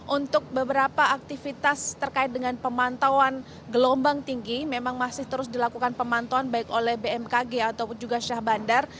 untuk beberapa aktivitas terkait dengan pemantauan gelombang tinggi memang masih terus dilakukan pemantauan baik oleh bmkg ataupun juga syah bandar